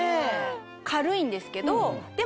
軽いんですけどでも安心感。